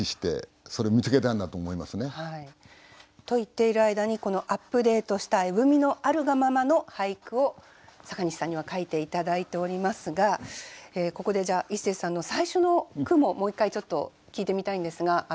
と言っている間にこのアップデートした「絵踏」の「あるがまま」の俳句を阪西さんには書いて頂いておりますがここでじゃあイッセーさんの最初の句ももう一回ちょっと聞いてみたいんですが。